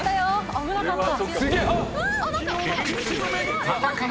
危なかった。